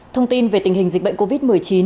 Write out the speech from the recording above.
thông tin về tình hình dịch bệnh covid một mươi chín